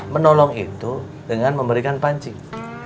menolong itu dengan memberikan pancing